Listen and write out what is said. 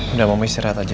udah mama istirahat aja ya